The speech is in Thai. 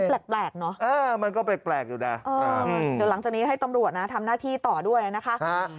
แปลกเนอะมันก็แปลกอยู่นะเดี๋ยวหลังจากนี้ให้ตำรวจนะทำหน้าที่ต่อด้วยนะคะ